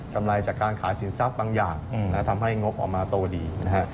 ไรจากการขายสินทรัพย์บางอย่างทำให้งบออกมาโตดีนะฮะ